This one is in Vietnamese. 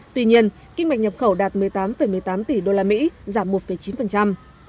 tuy nhiên kim ngạch nhập khẩu đạt một mươi tám một mươi tám tỷ đô la mỹ giảm một chín